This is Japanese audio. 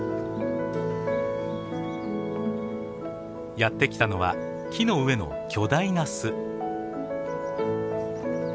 やって来たのは木の上の巨大な巣。